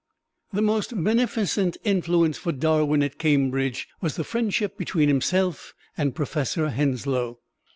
The most beneficent influence for Darwin at Cambridge was the friendship between himself and Professor Henslow.